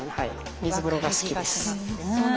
水風呂が好きです。